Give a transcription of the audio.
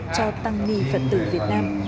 cho tăng nghi phật tử việt nam